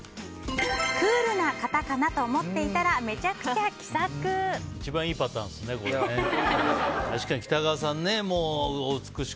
クールな方かなと思っていたらめちゃくちゃ気さく！